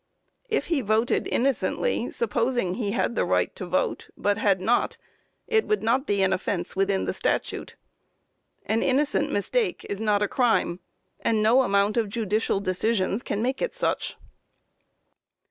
If he voted innocently supposing he had the right to vote, but had not, it would not be an offence within the statute. An innocent mistake is not a crime, and no amount of judicial decisions can make it such.